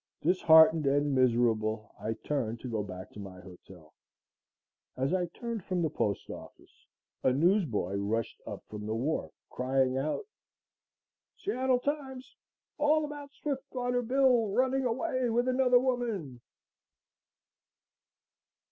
Disheartened and miserable, I turned to go back to my hotel. As I turned from the postoffice a news boy rushed up from the wharf, crying out: "SEATTLE TIMES ALL ABOUT SWIFTWATER BILL RUNNING AWAY WITH ANOTHER WOMAN."